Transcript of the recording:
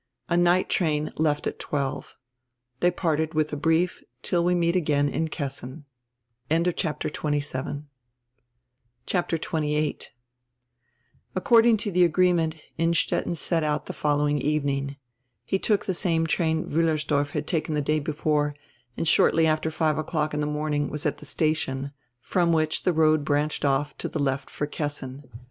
A night train left at twelve. They parted widi a hrief "Till we meet again in Kessin." CHAPTER XXVIII ACCORDING to die agreement Innstetten set out the fol lowing evening. He took the same train Wiillersdorf had taken die day before and shortly after five o'clock in die morning was at die station, from which die road branched off to die left for Kessin.